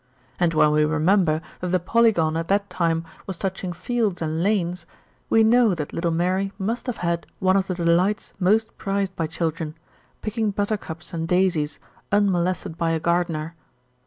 And when we remember that the Polygon at that time was touch ing fields and lanes, we know that little Mary must have had one of the delights most prized by children, picking buttercups and daisies, unmolested by a gar dener.